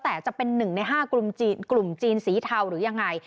แต่จะเป็น๑ใน๕กลุ่มจีนกลุ่มจีนสีเทาหรือยังไง